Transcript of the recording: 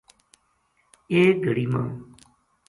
ایک گھڑی ما